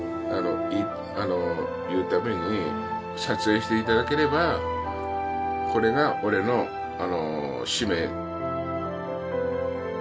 言うために撮影していただければこれが俺の使命。